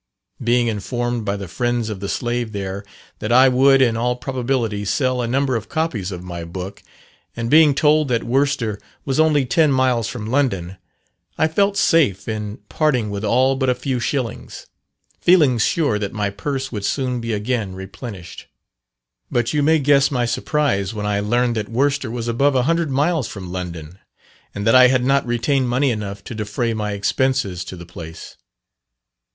Being informed by the friends of the slave there, that I would, in all probability, sell a number of copies of my book, and being told that Worcester was only ten miles from London, I felt safe in parting with all but a few shillings, feeling sure that my purse would soon be again replenished. But you may guess my surprise when I learned that Worcester was above a hundred miles from London, and that I had not retained money enough to defray my expenses to the place.